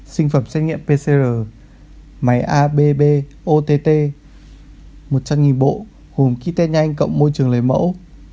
sinh phẩm xét nghiệm pcr máy abb ott một trăm linh bộ gồm ký test nhanh cộng môi trường lấy mẫu